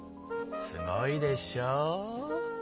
すごいでしょう。